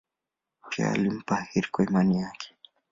Pia alimpa heri kwa imani yake.